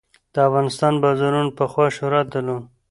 د افغانستان بازارونو پخوا شهرت درلود.